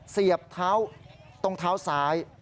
เสียบเท้าตรงเท้าซ้าย